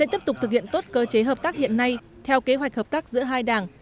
tiếp tục thực hiện tốt cơ chế hợp tác hiện nay theo kế hoạch hợp tác giữa hai đảng